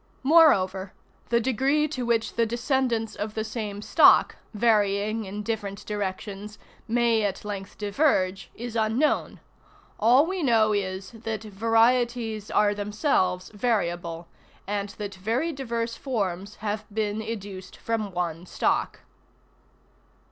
Moreover, the degree to which the descendants of the same stock, varying in different directions, may at length diverge is unknown. All we know is, that varieties are themselves variable, and that very diverse forms have been educed from one stock.